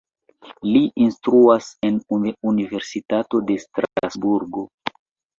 Li instruas en Universitato de Strasburgo.